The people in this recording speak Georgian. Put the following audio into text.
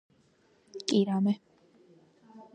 kirame